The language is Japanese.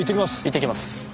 行ってきます。